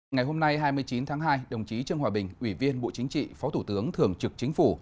ngày hôm nay hai mươi chín tháng hai đồng chí trương hòa bình ủy viên bộ chính trị phó thủ tướng thường trực chính phủ